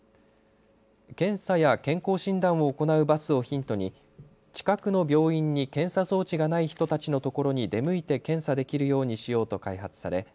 検査や健康診断を行うバスをヒントに近くの病院に検査装置がない人たちのところに出向いて検査できるようにしようと開発され